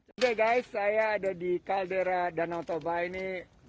oke guys saya ada di kaldera danau toba ini